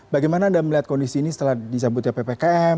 bagaimana anda melihat kondisi ini setelah disambutnya ppkm